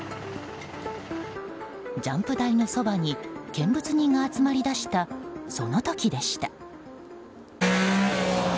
ジャンプ台のそばに見物人が集まり出したその時でした。